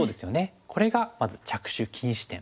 これがまず着手禁止点。